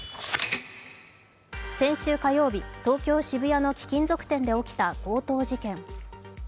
先週火曜日、東京・渋谷の貴金属店で起きた強盗事件。